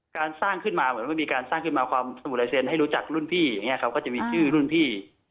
การสร้างขึ้นมาเหมือนว่ามีการสร้างขึ้นมาความสมุลายเซ็นต์ให้รู้จักรุ่นพี่อย่างนี้ครับก็จะมีชื่อรุ่นพี่